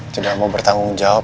tidak mau bertanggung jawab